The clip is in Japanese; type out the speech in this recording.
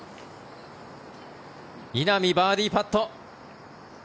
稲見、バーディーパット。